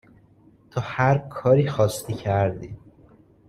تو هر کاری خواستی کردی